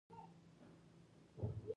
باکټریايي حجره ځان وړوکی کوي.